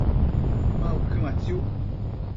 ma uquëmatsiuc?